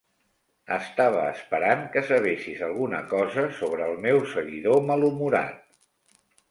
Estava esperant que sabessis alguna cosa sobre el meu seguidor malhumorat.